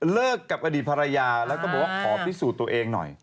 กับอดีตภรรยาแล้วก็บอกว่าขอพิสูจน์ตัวเองหน่อย